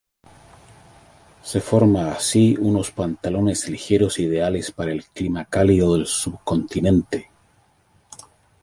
Se forma así unos pantalones ligeros ideales para el clima cálido del subcontinente.